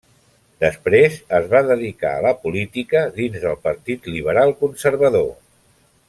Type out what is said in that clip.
Després es va dedicar a la política dins del Partit Liberal Conservador.